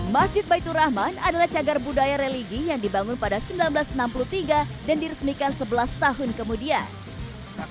masjid baitur rahman adalah cagar budaya religi yang dibangun pada seribu sembilan ratus enam puluh tiga dan diresmikan sebelas tahun kemudian